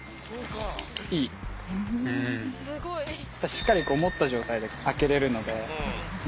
しっかり持った状態であけれるので。